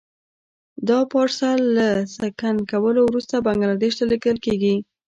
دا پارسل له سکن کولو وروسته بنګلادیش ته لېږل کېږي.